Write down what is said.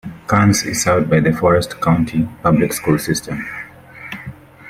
Carnes is served by the Forrest County Public School System.